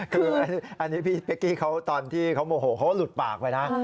คืออันนี้พี่เป๊กกี้เขาตอนที่เขาโมโหเขาก็หลุดปากไปนะ